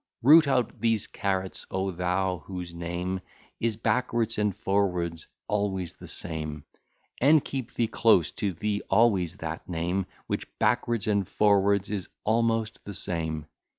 Root out these Carrots, O thou, whose name is backwards and forwards always the same; And keep thee close to thee always that name Which backwards and forwards is almost the same.